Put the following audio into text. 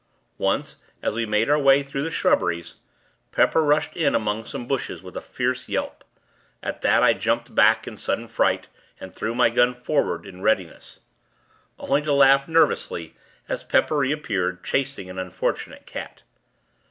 Once, as we made our way through the shrubberies, Pepper rushed in among some bushes, with a fierce yelp. At that, I jumped back, in sudden fright, and threw my gun forward, in readiness; only to laugh, nervously, as Pepper reappeared, chasing an unfortunate cat.